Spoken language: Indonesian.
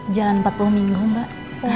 jalan empat puluh minggu mbak